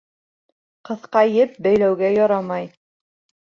Ҡыҫҡа еп бәйләүгә ярамай.